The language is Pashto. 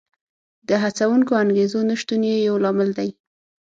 د هڅوونکو انګېزو نشتون یې یو لامل دی